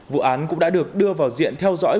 vụ án cũng đã được đưa vào diện theo dõi